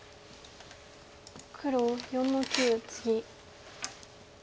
黒４の九ツギ。